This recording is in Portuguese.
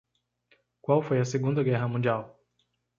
Qual foi a Segunda Guerra Mundial?